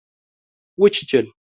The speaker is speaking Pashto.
وچیچل